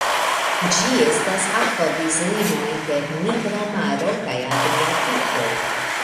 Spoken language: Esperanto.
Ĝi estas akvodislimo inter Nigra Maro kaj Adriatiko.